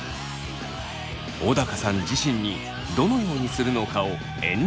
小高さん自身にどのようにするのかを演じてもらいました。